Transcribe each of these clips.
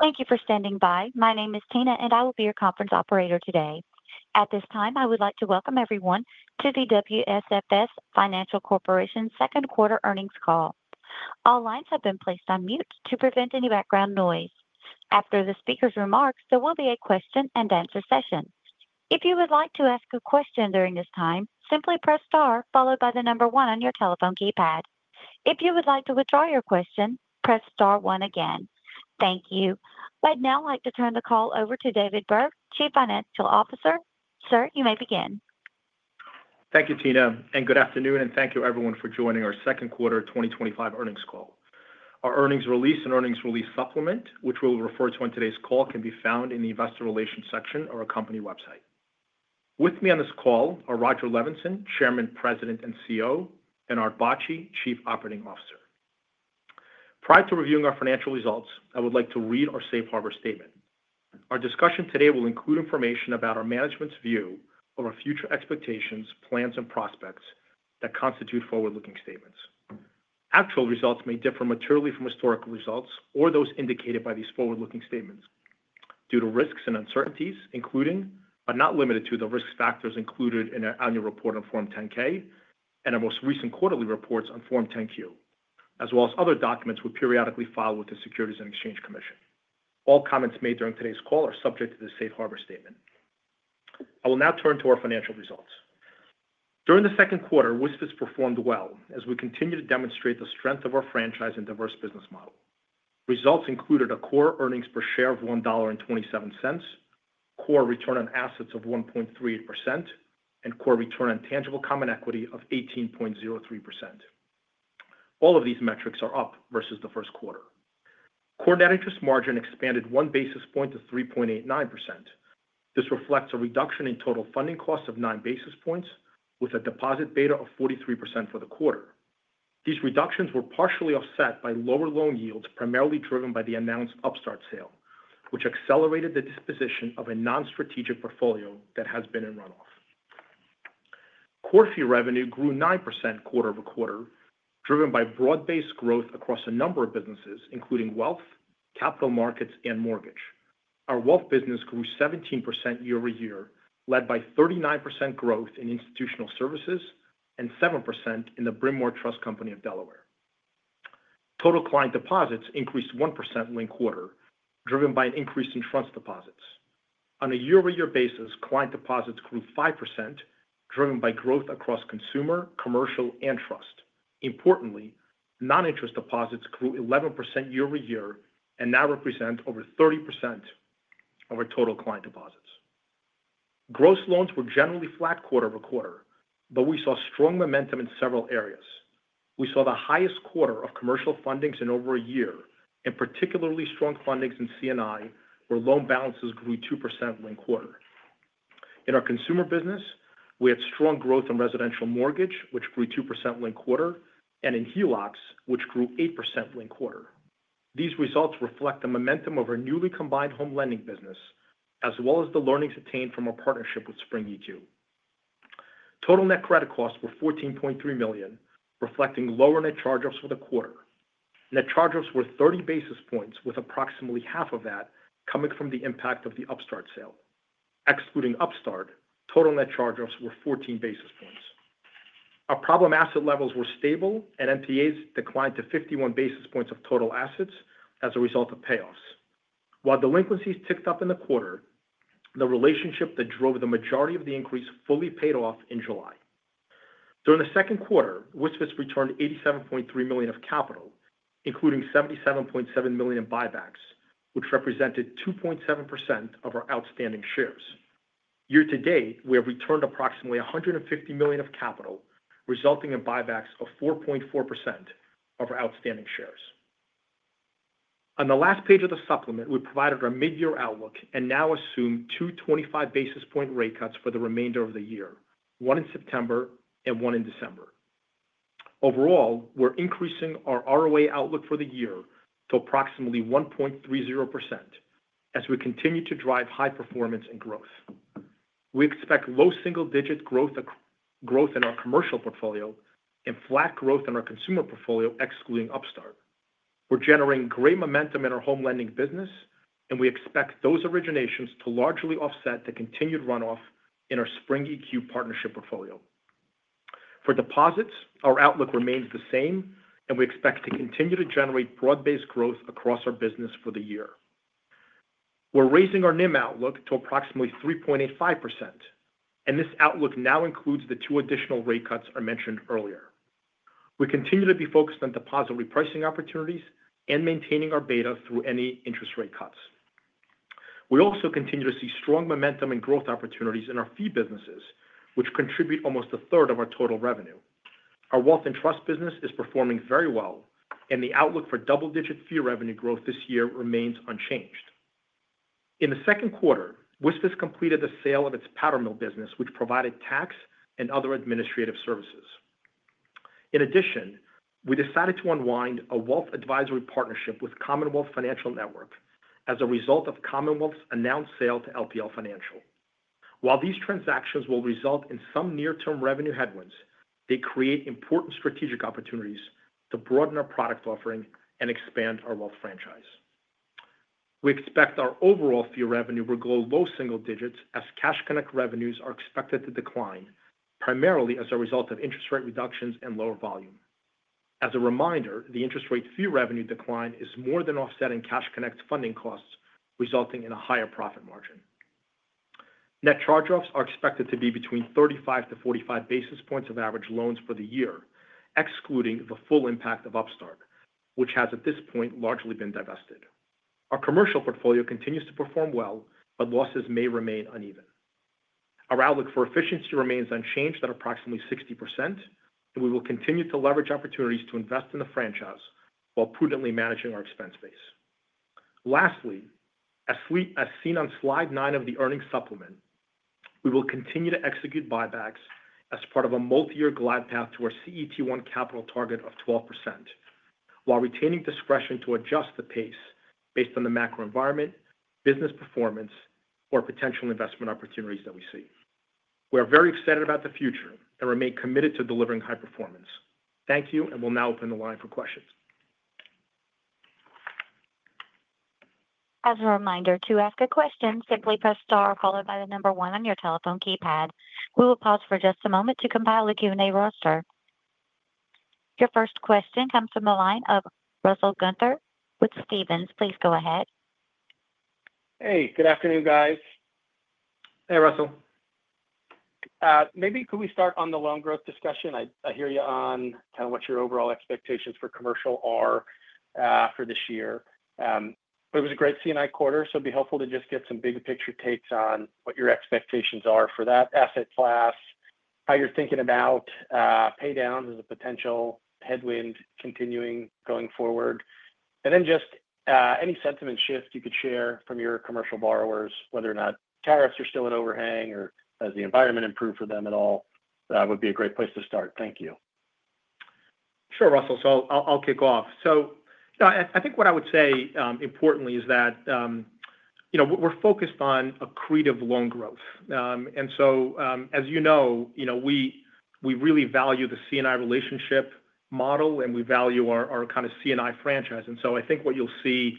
Thank you for standing by. My name is Tina, and I will be your conference operator today. At this time, I would like to welcome everyone to the WSFS Financial Corporation Second Quarter Earnings Call. All lines have been placed on mute to prevent any background noise. After the speakers' remarks, there will be a question and answer session. Thank you. I'd now like to turn the call over to David Burke, Chief Financial Officer. Sir, you may begin. Thank you, Tina, and good afternoon, and thank you everyone for joining our second quarter twenty twenty five earnings call. Our earnings release and earnings release supplement, which we'll refer to on today's call, can be found in the Investor Relations section of our company website. With me on this call are Roger Levinson, Chairman, President and CEO and Art Bocci, Chief Operating Officer. Prior to reviewing our financial results, I would like to read our Safe Harbor statement. Our discussion today will include information about our management's view of our future expectations, plans and prospects that constitute forward looking statements. Actual results may differ materially from historical results or those indicated by these forward looking statements due to risks and uncertainties, including, but not limited to the risk factors included in our annual report on Form 10 ks and our most recent quarterly reports on Form 10 Q as well as other documents we periodically file with the Securities and Exchange Commission. All comments made during today's call are subject to the Safe Harbor statement. I will now turn to our financial results. During the second quarter, WISPIS performed well as we continue to demonstrate the strength of our franchise and diverse business model. Results included a core earnings per share of $1.27 core return on assets of 1.3% and core return on tangible common equity of 18.03%. All of these metrics are up versus the first quarter. Core net interest margin expanded one basis point to 3.89%. This reflects a reduction in total funding costs of nine basis points with a deposit beta of 43% for the quarter. These reductions were partially offset by lower loan yields primarily driven by the announced Upstart sale, which accelerated the disposition of a non strategic portfolio that has been in runoff. Core fee revenue grew 9% quarter over quarter driven by broad based growth across a number of businesses including wealth, capital markets and mortgage. Our wealth business grew 17% year over year led by 39% growth in institutional services and 7% in the Brimmore Trust Company of Delaware. Total client deposits increased 1% linked quarter driven by an increase in trust deposits. On a year over year basis, client deposits grew 5% driven by growth across consumer, commercial and trust. Importantly, non interest deposits grew 11% year over year and now represent over 30% of our total client deposits. Gross loans were generally flat quarter over quarter, though we saw strong momentum in several areas. We saw the highest quarter of commercial fundings in over a year and particularly strong fundings in C and I where loan balances grew 2% linked quarter. In our consumer business, we had strong growth in residential mortgage, which grew 2% linked quarter and in HELOCs, which grew 8% linked quarter. These results reflect the momentum of our newly combined home lending business as well as the learnings obtained from our partnership with SpringEQ. Total net credit costs were $14,300,000 reflecting lower net charge offs for the quarter. Net charge offs were 30 basis points with approximately half of that coming from the impact of the Upstart sale. Excluding Upstart, total net charge offs were 14 basis points. Our problem asset levels were stable and NPAs declined to 51 basis points of total assets as a result of payoffs. While delinquencies ticked up in the quarter, the relationship that drove the majority of the increase fully paid off in July. During the second quarter, WSFS returned $87,300,000 of capital, including $77,700,000 in buybacks, which represented 2.7% of our outstanding shares. Year to date, we have returned approximately $150,000,000 of capital, resulting in buybacks of 4.4% of our outstanding shares. On the last page of the supplement, we provided our mid year outlook and now assume two twenty five basis point rate cuts for the remainder of the year, one in September and one in December. Overall, we're increasing our ROA outlook for the year to approximately 1.3% as we continue to drive high performance and growth. We expect low single digit growth in our commercial portfolio and flat growth in our consumer portfolio excluding Upstart. We're generating great momentum in our home lending business and we expect those originations to largely offset the continued runoff in our Spring EQ partnership portfolio. For deposits, our outlook remains the same and and we expect to continue to generate broad based growth across our business for the year. We're raising our NIM outlook to approximately 3.85% and this outlook now includes the two additional rate cuts I mentioned earlier. We continue to be focused on deposit repricing opportunities and maintaining our beta through any interest rate cuts. We also continue to see strong momentum and growth opportunities in our fee businesses, which contribute almost a third of our total revenue. Our Wealth and Trust business is performing very well and the outlook for double digit fee revenue growth this year remains unchanged. In the second quarter, WSFS completed the sale of its powder mill business, which provided tax and other administrative services. In addition, we decided to unwind a wealth advisory partnership with Commonwealth Financial Network as a result of Commonwealth's announced sale to LPL Financial. While these transactions will result in some near term revenue headwinds, they create important strategic opportunities to broaden our product offering and expand our wealth franchise. We expect our overall fee revenue will grow low single digits as Cash Connect revenues are expected to decline, primarily as a result of interest rate reductions and lower volume. As a reminder, the interest rate fee revenue decline is more than offsetting Cash Connect funding costs resulting in a higher profit margin. Net charge offs are expected to be between 35 to 45 basis points of average loans for the year excluding the full impact of Upstart, which has at this point largely been divested. Our commercial portfolio continues to perform well, but losses may remain uneven. Our outlook for efficiency remains unchanged at approximately 60% and we will continue to leverage opportunities to invest in the franchise while prudently managing our expense base. Lastly, as seen on Slide nine of the earnings supplement, we will continue to execute buybacks as part of a multiyear glide path to our CET1 capital target of 12%, while retaining discretion to adjust the pace based on the macro environment, business performance or potential investment opportunities that we see. We are very excited about the future and remain committed to delivering high performance. Thank you, and we'll now open the line for questions. Your first question comes from the line of Russell Gunther with Stephens. Please go ahead. Hey, good afternoon guys. Hey, Russell. Maybe could we start on the loan growth discussion? I I hear you on kind of what your overall expectations for commercial are, for this year. But it was a great C and I quarter, so it'd be helpful to just get some bigger picture takes on what your expectations are for that asset class, how you're thinking about, pay downs as a potential headwind continuing going forward. And then just, any sentiment shift you could share from your commercial borrowers, whether or not tariffs are still an overhang or has the environment improved for them at all? That would be a great place to start. Thank you. Sure, Russell. So I'll kick off. So I think what I would say, importantly is that we're focused on accretive loan growth. And so as you know, we really value the C and I relationship model and we value our kind of C and I franchise. And so I think what you'll see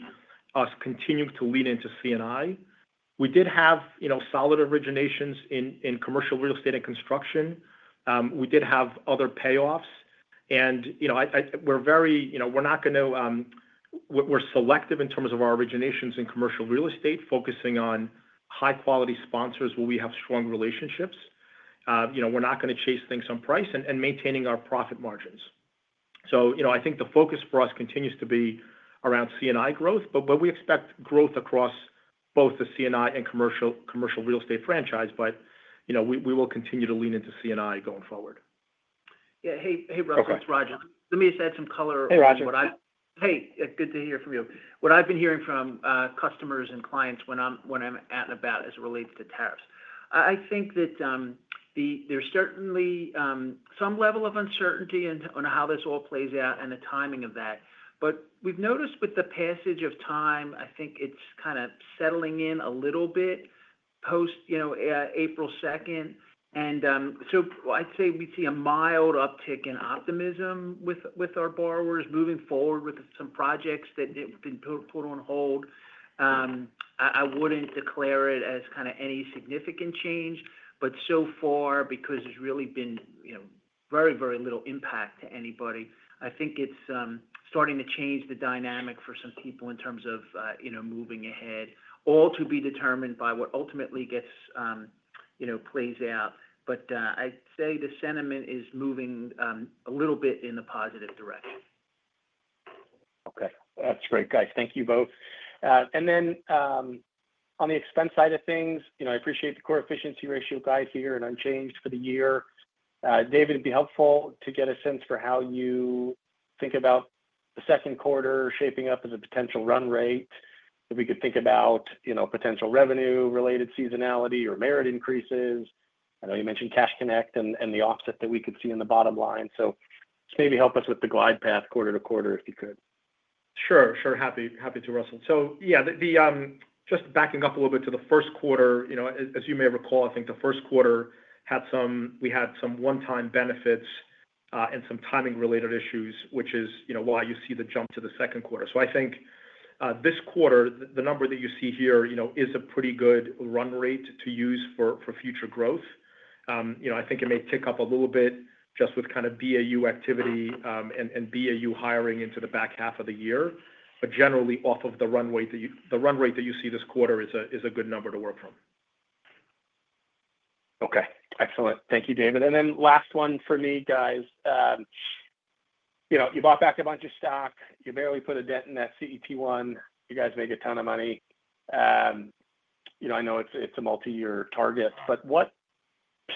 us continue to lead into C and I. We did have solid originations in commercial real estate and construction. We did have other payoffs. And we're very we're not going to we're selective in terms of our originations in commercial real estate, focusing on high quality sponsors where we have strong relationships. We're not going to chase things on price and maintaining our profit margins. So I think the focus for us continues to be around C and I growth, but we expect growth across both the C and I and commercial real estate franchise. But we will continue to lean into C and I going forward. Roger. It's Roger. Let me just add some color on Hey, Roger. What I Hey, good to hear from you. What I've been hearing from, customers and clients when I'm when I'm at and about as it relates to tariffs. I think that the there's certainly, some level of uncertainty on how this all plays out and the timing of that. But we've noticed with the passage of time, I think it's kind of settling in a little bit post April 2. And so I'd say we see a mild uptick in optimism with our borrowers moving forward with some projects that have been put on hold. I wouldn't declare it as kind of any significant change. But so far because it's really been very, very little impact to anybody, I think it's starting to change the dynamic for some people in terms of moving ahead all to be determined by what ultimately gets plays out. But I'd say the sentiment is moving a little bit in the positive direction. Okay. That's great, guys. Thank you both. And then, on the expense side of things, I appreciate the core efficiency ratio guide here and unchanged for the year. David, it'd be helpful to get a sense for how you think about the second quarter shaping up as a potential run rate, if we could think about potential revenue related seasonality or merit increases. I know you mentioned cash connect and the offset that we could see in the bottom line. So just maybe help us with the glide path quarter to quarter if you could. Sure, sure. Happy to, Russell. So yes, the just backing up a little bit to the first quarter, as you may recall, I think the first quarter had some we had some onetime benefits and some timing related issues, which is why you see the jump to the second quarter. So I think this quarter, the number that you see here is a pretty good run rate to use for future growth. I think it may tick up a little bit just with kind of BAU activity and BAU hiring into the back half of the year. But generally off of the run rate that you see this quarter is a good number to work from. Okay. Excellent. Thank you, David. And then last one for me, guys. You know, you bought back a bunch of stock. You barely put a dent in that CET one. You guys make a ton of money. Know, I know it's it's a multiyear target, but what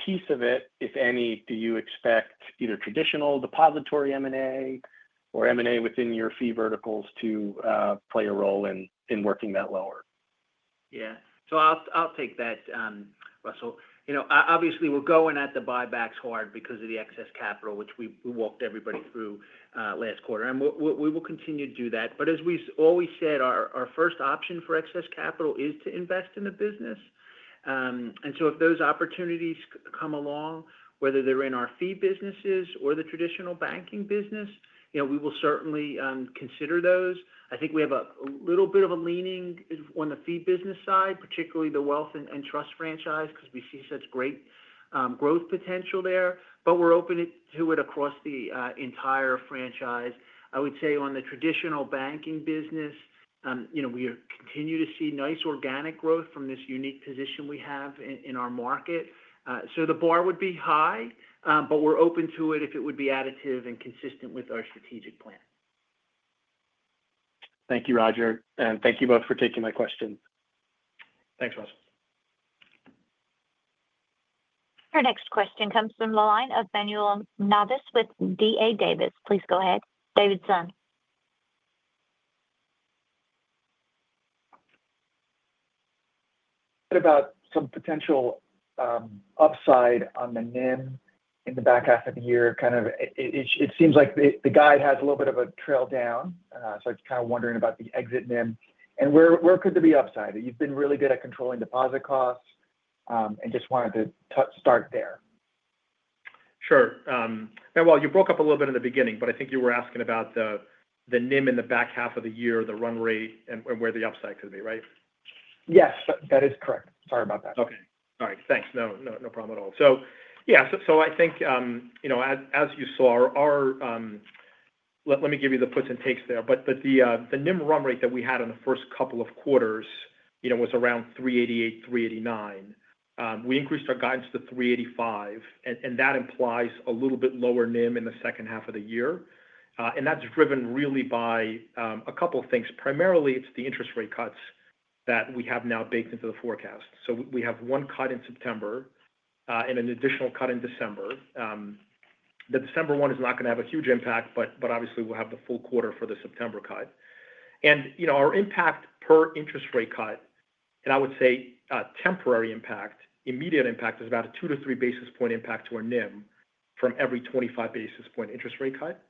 piece of it, if any, do you expect either traditional depository M and A or M and A within your fee verticals to play a role in working that lower? Yes. So I'll take that, Russell. Obviously, we're going at the buybacks hard because of the excess capital which we walked everybody through last quarter and we will continue to do that. But as we always said, our first option for excess capital is to invest in the business. And so if those opportunities come along whether they're in our fee businesses or the traditional banking business, we will certainly consider those. I think we have a little bit of a leaning on the fee business side particularly the wealth and trust franchise because we see such great growth potential there. But we're open to it across the entire franchise. I would say on the traditional banking business, we continue to see nice organic growth from this unique position we have in our market. So the bar would be high, but we're open to it if it would be additive and consistent with our strategic plan. Thank you, Roger. And thank you both for taking my question. Thanks, Ross. Our next question comes from the line of Emmanuel Navis with D. A. Davis. Please go ahead. David's son. Some potential upside on the NIM in the back half of the year. Kind of it it seems like the the guide has a little bit of a trail down, so I was kinda wondering about the exit NIM. And where where could there be upside? You've been really good at controlling deposit costs, and just wanted to start there. Sure. And while you broke up a little bit in the beginning, but I think you were asking about the NIM in the back half of the year, the run rate and where the upside could be. Right? Yes. That is correct. Sorry about that. Okay. Alright. Thanks. No. No problem at all. So yeah. So so I think, you know, as as you saw our our let me give you the puts and takes there. But the NIM run rate that we had in the first couple of quarters was around $388,000,003 89,000,000 We increased our guidance to $385,000,000 and that implies a little bit lower NIM in the second half of the year. And that's driven really by a couple of things. Primarily, it's the interest rate cuts that we have now baked into the forecast. So we have one cut in September and an additional cut in December. The December one is not going to have a huge impact, but obviously we'll have the full quarter for the September cut. And our impact per interest rate cut, and I would say temporary impact immediate impact is about a two to three basis point impact to our NIM from every 25 basis point interest rate cut.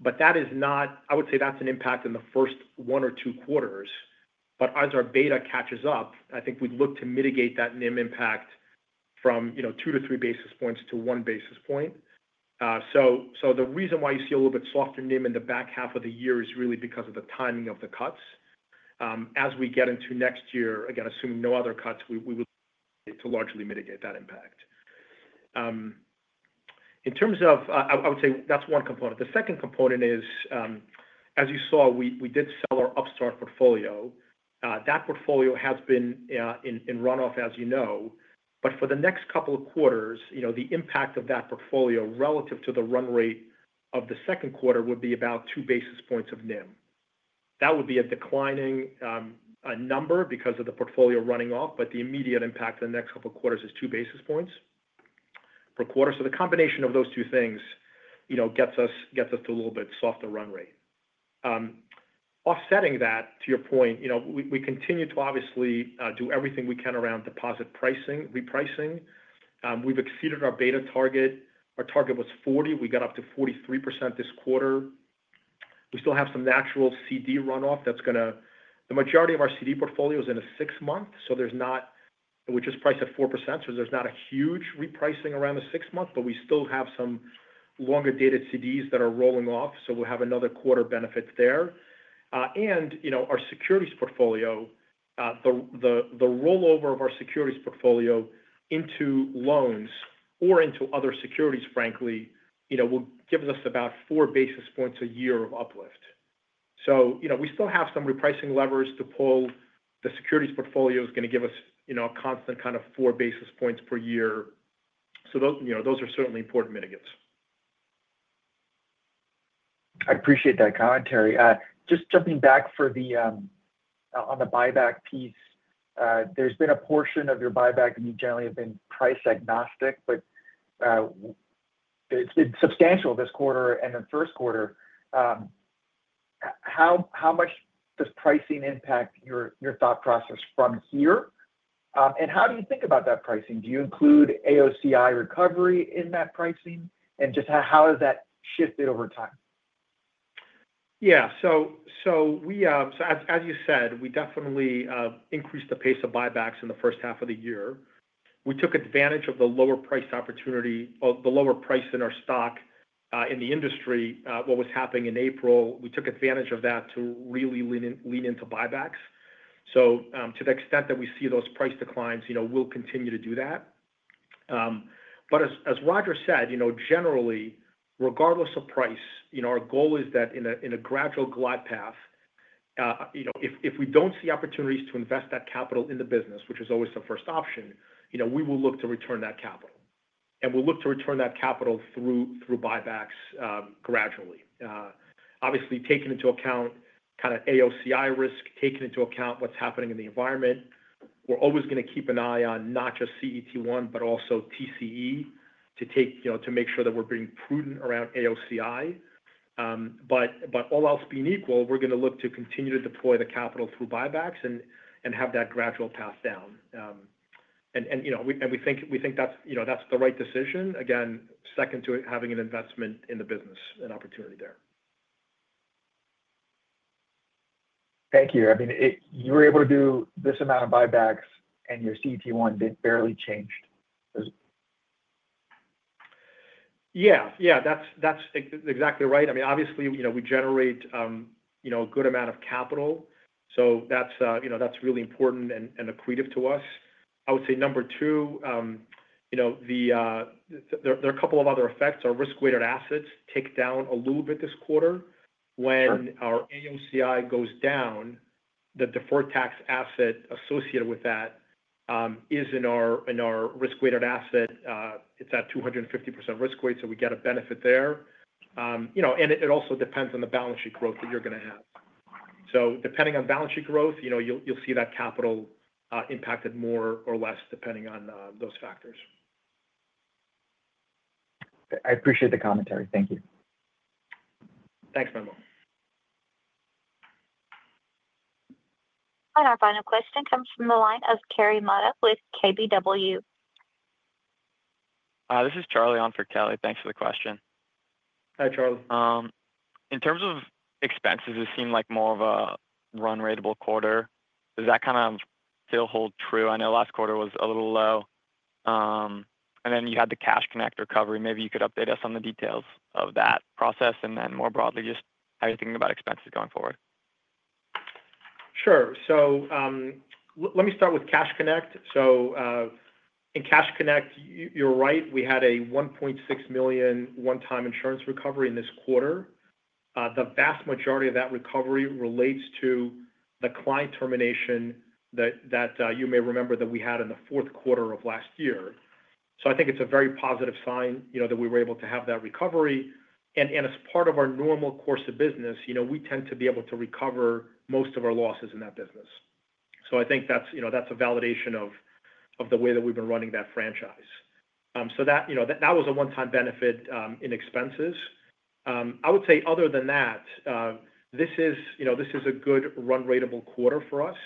But that is not I would say that's an impact in the first one or two quarters. But as our beta catches up, I think we'd look to mitigate that NIM impact from two to three basis points to one basis point. So the reason why you see a little bit softer NIM in the back half of the year is really because of the timing of the cuts. As we get into next year, again assuming no other cuts, we would need to largely mitigate that impact. In terms of I would say that's one component. The second component is, as you saw, we did sell our upstart portfolio. That portfolio has been in runoff as you know. But for the next couple of quarters, the impact of that portfolio relative to the run rate of the second quarter would be about two basis points of NIM. That would be a declining number because of the portfolio running off, but the immediate impact in the next couple of quarters is two basis points per quarter. So the combination of those two things gets us to a little bit softer run rate. Offsetting that, to your point, we continue to obviously do everything we can around deposit pricing repricing. We've exceeded our beta target. Our target was 40%. We got up to 43% this quarter. We still have some natural CD runoff that's going to the majority of our CD portfolio is in a six month. So there's not we're just priced at 4%. So there's not a huge repricing around the six month, but we still have some longer dated CDs that are rolling off. So we'll have another quarter benefits there. And our securities portfolio the rollover of our securities portfolio into loans or into other securities, will give us about four basis points a year of uplift. So we still have some repricing levers to pull. The securities portfolio is going to give us a constant kind of four basis points per year. So those are certainly important mitigates. I appreciate that commentary. Just jumping back for the on the buyback piece, there's been a portion of your buyback that you generally have been price agnostic, but it's been substantial this quarter and the first quarter. How how much does pricing impact your your thought process from here? And how do you think about that pricing? Do you include AOCI recovery in that pricing? And just how how has that shifted over time? Yes. So we so as you said, we definitely increased the pace of buybacks in the first half of the year. We took advantage of the lower priced opportunity of the lower price in our stock in the industry, what was happening in April, we took advantage of that to really lean into buybacks. So to the extent that we see those price declines, we'll continue to do that. But as Roger said, generally, regardless of price, our goal is that in a gradual glide path, if we don't see opportunities to invest that capital in the business, which is always the first option, we will look to return that capital. And we'll look to return that capital through buybacks gradually. Obviously, taking into account kind of AOCI risk, taking into account what's happening in the environment, we're always going to keep an eye on not just CET1 but also TCE to take to make sure that we're being prudent around AOCI. But all else being equal, we're going to look to continue to deploy the capital through buybacks and have that gradual pass down. And think that's the right decision. Again, second to it, having an investment in the business and opportunity there. Thank you. I mean, you were able to do this amount of buybacks and your CET one did barely change. Yes. Yes. That's exactly right. I mean, obviously, we generate a good amount of capital. So that's really important and accretive to us. I would say number two, the there are couple of other effects. Our risk weighted assets take down a little bit this quarter. When our AMCI goes down, the deferred tax asset associated with that is in our in our risk weighted asset. It's at 250% risk weighted, so we get a benefit there. You know, and it it also depends on the balance sheet growth that you're gonna have. So depending on balance sheet growth, you know, you'll you'll see that capital impacted more or less depending on those factors. I appreciate the commentary. Thank you. Thanks, Manuel. And our final question comes from the line of Kerry Mona with KBW. This is Charlie on for Kelly. Thanks for the question. Hi, Charlie. In terms of expenses, it seemed like more of a run ratable quarter. Does that kind of still hold true? I know last quarter was a little low. And then you had the cash connect recovery. Maybe you could update us on the details of that process? And then more broadly, just how you're thinking about expenses going forward? Sure. So let me start with Cash Connect. So in Cash Connect, you're right, we had a $1,600,000 onetime insurance recovery in this quarter. The vast majority of that recovery relates to the client termination that you may remember that we had in the fourth quarter of last year. So I think it's a very positive sign that we were able to have that recovery. And as part of our normal course of business, we tend to be able to recover most of our losses in that business. So I think that's a validation of the way that we've been running that franchise. So that was a onetime benefit in expenses. I would say other than that, this is a good run ratable quarter for us.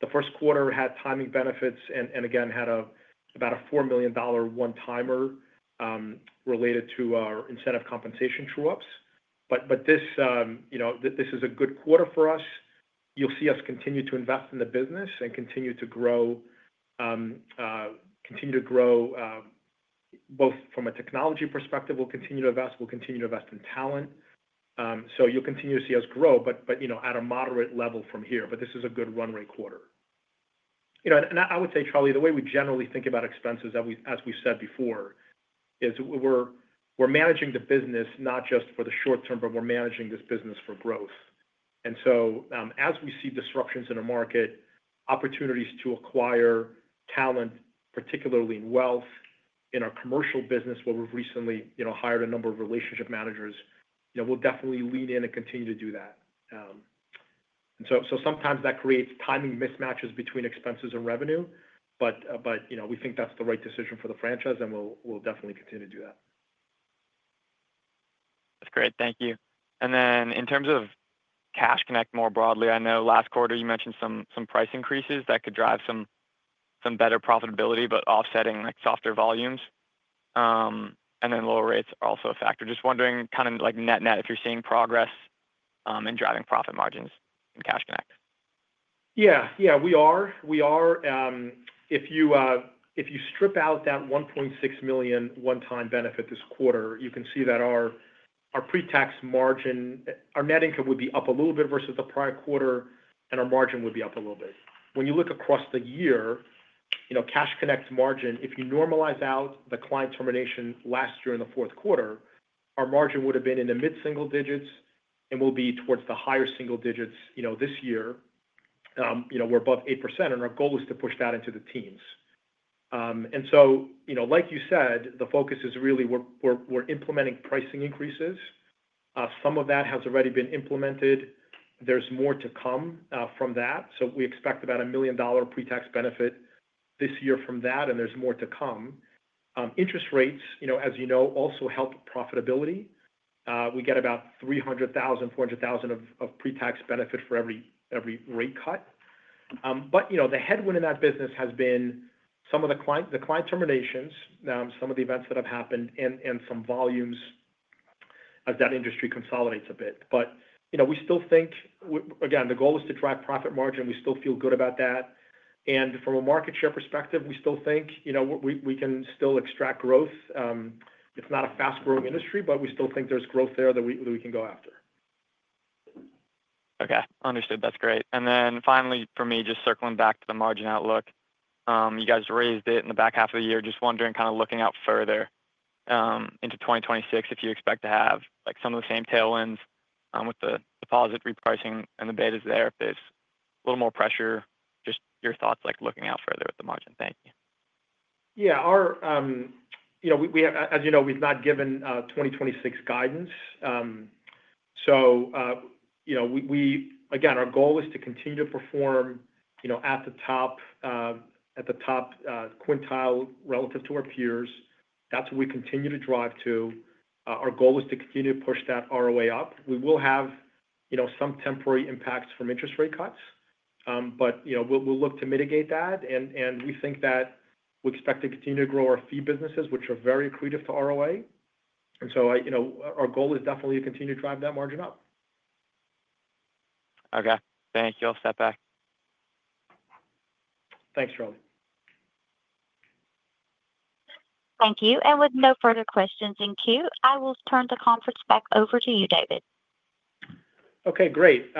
The first quarter had timing benefits and again had about a $4,000,000 one timer related to our incentive compensation true ups. But this is a good quarter for us. You'll see us continue to invest in the business and continue to grow both from a technology perspective, we'll continue to invest. We'll continue to invest in talent. So you'll continue to see us grow, but at a moderate level from here. But this is a good run rate quarter. And I would say, Charlie, the way we generally think about expenses that we as we said before, is we're managing the business not just for the short term, but we're managing this business for growth. And so, as we see disruptions in the market, opportunities to acquire talent, particularly in wealth, in our commercial business where we've recently hired a number of relationship managers, we'll definitely lean in and continue to do that. And so sometimes that creates timing mismatches between expenses and revenue, But we think that's the right decision for the franchise and we'll definitely continue to do that. That's great. Thank you. And then in terms of Cash Connect more broadly, know last quarter you mentioned some price increases that could drive some better profitability, but offsetting like softer volumes, and then lower rates are also a factor. Just wondering kind of like net net if you're seeing progress, in driving profit margins in Cash Connect? Yes. Yes, we are. If you strip out that $1,600,000 onetime benefit this quarter, you can see that our pretax margin our net income would be up a little bit versus the prior quarter and our margin would be up a little bit. When you look across the year, Cash Connect margin, if you normalize out the client termination last year in the fourth quarter, our margin would have been in the mid single digits and will be towards the higher single digits this year. We're above 8% and our goal is to push that into the teens. And so like you said, the focus is really we're implementing pricing increases. Some of that has already been implemented. There's more to come from that. So we expect about $1,000,000 pretax benefit this year from that and there's more to come. Interest rates, as you know, help profitability. We get about 300,000, 400,000 of of pretax benefit for every every rate cut. But, you know, the headwind in that business has been some of the client the client terminations, some of the events that have happened and and some volumes as that industry consolidates a bit. But we still think, again, the goal is to drive profit margin. We still feel good about that. And from a market share perspective, we still think we can still extract growth. It's not a fast growing industry, but we still think there's growth there that we can go after. Okay. Understood. That's great. And then finally for me, just circling back to the margin outlook. You guys raised it in the back half of the year. Just wondering kind of looking out further into 2026 if you expect to have like some of the same tailwinds with the deposit repricing and the betas there, there's a little more pressure, just your thoughts like looking out further at the margin? Thank you. Yes. Our as you know, we've not given 2026 guidance. So we again, our goal is to continue to perform the top quintile relative to our peers. That's what we continue to drive to. Our goal is to continue to push that ROA up. We will have some temporary impacts from interest rate cuts, but we'll look to mitigate that. And we think that we expect to continue to grow our fee businesses, are very accretive to ROA. And so our goal is definitely to continue to drive that margin up. Okay. Thank you. I'll step back. Thanks, Charlie. Thank you. And with no further questions in queue, I will turn the conference back over to you, David. Okay, great.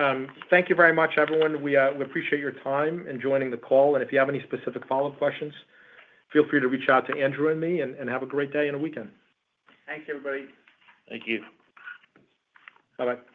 Thank you very much everyone. We appreciate your time and joining the call. And if you have any specific follow-up questions, free to reach out to Andrew and me and have a great day and weekend. Thanks everybody. Thank you. Bye bye.